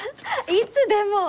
いつでも！